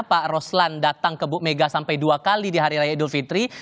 pak roslan datang ke bu mega sampai dua kali di hari raya idul fitri